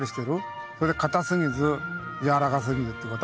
それでかたすぎずやわらかすぎずってこと。